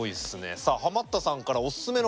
さあハマったさんからおすすめポイント